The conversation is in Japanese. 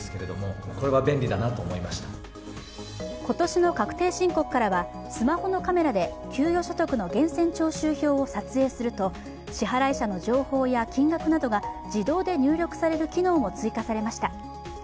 今年の確定申告からはスマホのカメラで給与所得の源泉徴収票を撮影すると支払者の情報や金額などが自動で入力される機能も追加されました。